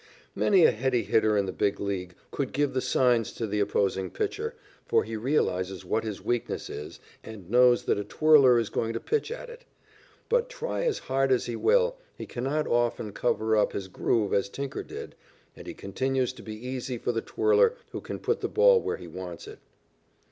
Many a heady hitter in the Big League could give the signs to the opposing pitcher, for he realizes what his weakness is and knows that a twirler is going to pitch at it. But, try as hard as he will, he cannot often cover up his "groove," as Tinker did, and so he continues to be easy for the twirler who can put the ball where he wants it.